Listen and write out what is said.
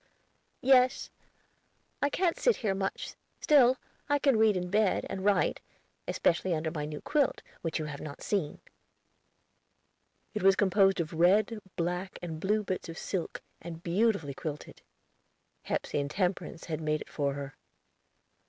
"Yes; I can't sit here much; still, I can read in bed, and write, especially under my new quilt, which you have not seen." It was composed of red, black, and blue bits of silk, and beautifully quilted. Hepsey and Temperance had made it for her.